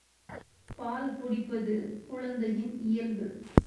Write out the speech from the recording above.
பால் குடிப்பது குழந்தையின் இயல்பு.